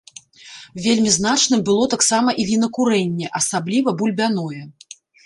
Вельмі значным было таксама і вінакурэнне, асабліва бульбяное.